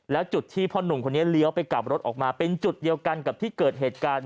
แล้วจุดที่พ่อหนุ่มคนนี้เลี้ยวไปกลับรถออกมาเป็นจุดเดียวกันกับที่เกิดเหตุการณ์